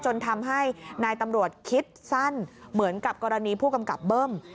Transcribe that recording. จนทำให้นายตำรวจคิดสั้นเหมือนกับกรณีผู้กำกับเบิ้ม